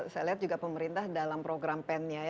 saya lihat juga pemerintah dalam program pen ini